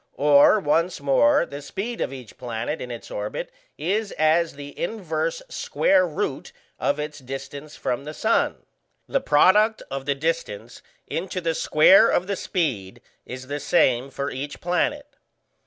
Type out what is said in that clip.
Or, once more, the speed of each planet in its orbit is as the inverse square root of its distance from the sun. The product of the distance into the square of the speed is the same for each planet.